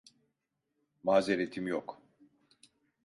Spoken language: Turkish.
Mazeretim yok.